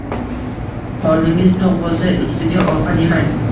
Qorningiz to‘q bo‘lsa, ustiga ovqat yemang.